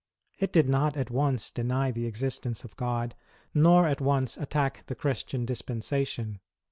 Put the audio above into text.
It did not at once deny the existence of God, nor at once attack the Christian Dispensation.